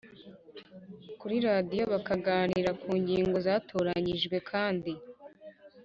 kuri radiyo bakaganira ku ngingo zatoranyijwe kandi